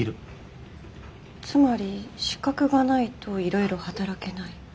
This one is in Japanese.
つまり資格がないといろいろ働けない。